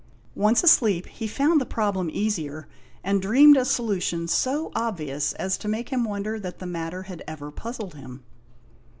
Once asleep, he found the problem easier, and dreamed a solution so obvious as to make him wonder that the matter had ever puzzled him.